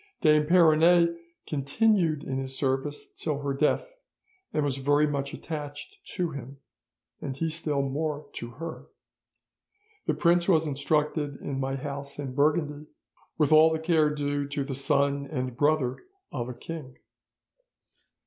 Dame Peronete continued in his service till her death, and was very much attached to him, and he still more to her. The prince was instructed in my house in Burgundy, with all the care due to the son and brother of a king.